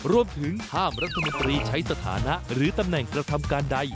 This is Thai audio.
รวมถึงห้ามรัฐมนตรีใช้สถานะหรือตำแหน่งกระทำการใด